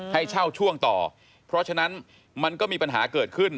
ให้เช่าช่วงต่อเพราะฉะนั้นมันก็มีปัญหาเกิดขึ้น